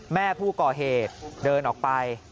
แม่ผู้ก่อเหตุเดินออกไป